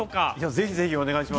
ぜひぜひお願いします。